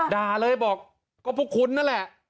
ดาเลยดอกก็ผู้คุ้นนั่นแหละ